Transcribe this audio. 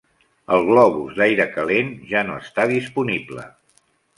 El globus d'aire calent ja no està disponible.